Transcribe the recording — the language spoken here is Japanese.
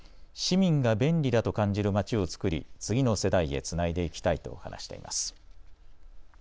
市民が便利だと感じるまちをつくり、次の世代へつないでいきたいと話しています。